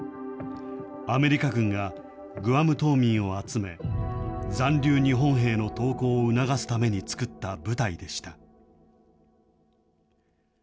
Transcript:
アメリカ軍がグアム島民を集め、残留日本兵の投降を促すために作った部隊でした。